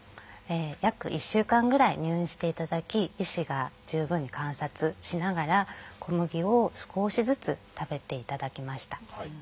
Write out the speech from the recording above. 約１週間ぐらい入院していただき医師が十分に観察しながら小麦を少しずつ食べていただきました。